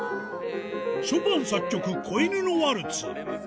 ショパン作曲、小犬のワルツ。